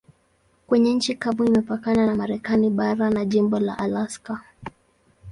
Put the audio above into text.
Kwenye nchi kavu imepakana na Marekani bara na jimbo la Alaska.